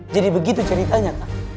jadi begitu ceritanya